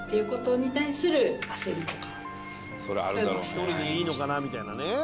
１人でいいのかなみたいなね。